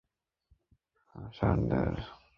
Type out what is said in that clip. তোমরা সবাই জানো, আমাদের বসতি ষাঁড়দের ছাড়া টিকতে পারবে না।